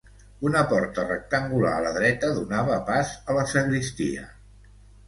Una porta rectangular a la dreta donava pas a la sagristia.